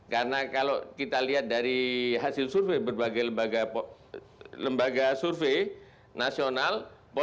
karena kalau kita lihat dari hasil survei berbagai lembaga survei nasional